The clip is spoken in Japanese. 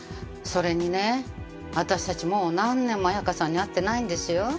それにね私たちもう何年も彩華さんに会ってないんですよ。